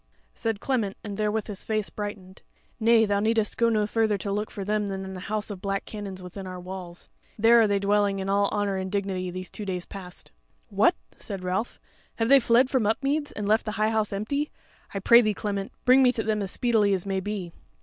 Said Clement, and therewith his face brightened: "Nay, thou needest go no further to look for them than the House of Black Canons within our walls: there are they dwelling in all honour and dignity these two days past." "What!" said Ralph, "have they fled from Upmeads, and left the High House empty? I pray thee, Clement, bring me to them as speedily as may be."